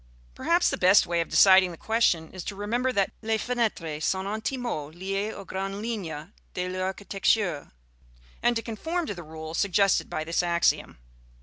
Perhaps the best way of deciding the question is to remember that "les fenêtres sont intimement liées aux grandes lignes de l'architecture," and to conform to the rule suggested by this axiom.